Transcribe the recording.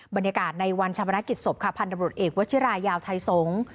บรรยากาศในวันชาวพนักกิจศพพันธบริโรธเอกวชิรายาวไทยสงศ์